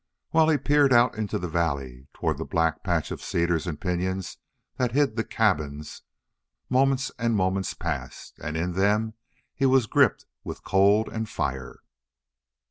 While he peered out into the valley, toward the black patch of cedars and pinyons that hid the cabins, moments and moments passed, and in them he was gripped with cold and fire.